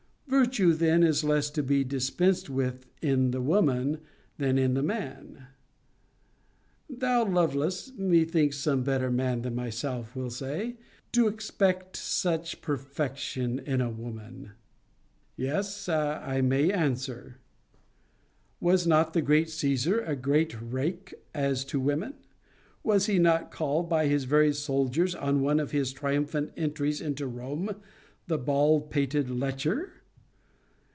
Virtue then is less to be dispensed with in the woman than in the man. Thou, Lovelace, (methinks some better man than thyself will say,) to expect such perfection in a woman! Yes, I, may I answer. Was not the great Caesar a great rake as to women? Was he not called, by his very soldiers, on one of his triumphant entries into Rome, the bald pated lecher?